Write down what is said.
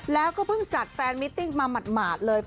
แล้วก็เพิ่งจัดแฟนมิติ้งมาหมาดเลย